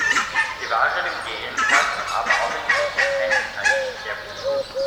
Sie waren im Gegensatz aber auch in rechten Fankreisen sehr beliebt.